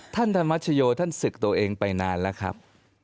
ธรรมชโยท่านศึกตัวเองไปนานแล้วครับ